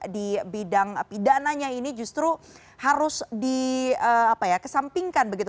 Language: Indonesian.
di bidang pidananya ini justru harus dikesampingkan begitu